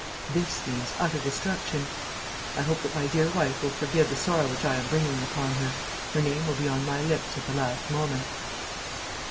This means utter destruction. "I hope that my dear wife will forgive the sorrow which I am bringing upon her. Her name will be on my lips at the last moment."